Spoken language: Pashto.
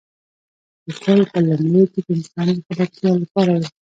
لیکل په لومړیو کې د انسان د خبرتیا لپاره و.